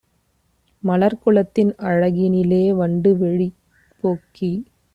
மலர்க்குலத்தின் அழகினிலே வண்டுவிழி போக்கி